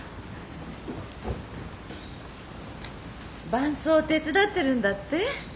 伴奏手伝ってるんだって？